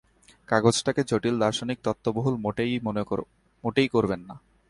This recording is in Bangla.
কাগজটাকে জটিল দার্শনিক তত্ত্ববহুল মোটেই করবেন না।